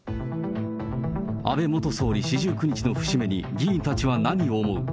安倍元総理四十九日の節目に議員たちは何を思う。